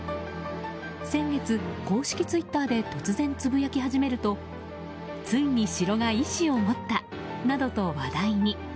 先月、公式ツイッターで突然つぶやき始めるとついに城が意思を持ったなどと話題に。